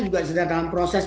juga sedang dalam proses